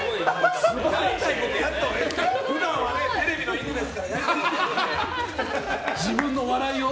普段はテレビの犬ですからね。